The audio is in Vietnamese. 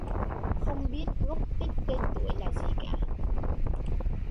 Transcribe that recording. Không biết gốc tích tên tuổi là gì cả